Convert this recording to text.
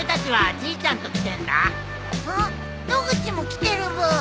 野口も来てるブー。